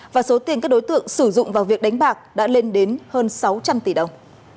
và số tiền các đối tượng sử dụng vào việc đánh bạc đã lên đến hơn sáu trăm linh tỷ đồng